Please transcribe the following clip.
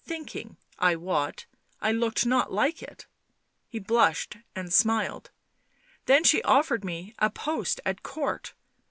. thinking, I wot, I looked not like it." He blushed and smiled. " Then she offered me a post at Court.